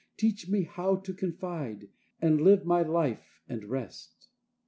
Teach me how to confide, and live my life, and rest.